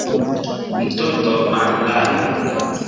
Mtoto anlala